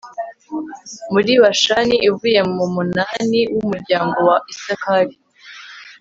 muri bashani ivuye mu munani w'umuryango wa isakari